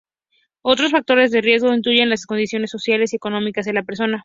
Otros factores de riesgo incluyen las condiciones sociales y económicas de la persona.